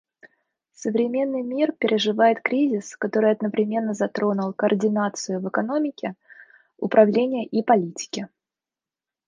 Современный мир переживает кризис, который одновременно затронул координацию в экономике, управлении и политике.